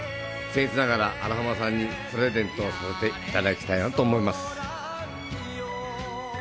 僣越ながら、あら浜さんにプレゼントさせていただきたいと思います。